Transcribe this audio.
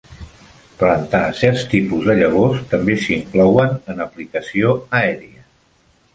Plantar certs tipus de llavors també s'inclouen en aplicació aèria.